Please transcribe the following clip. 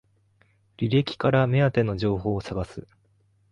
履歴から目当ての情報を探す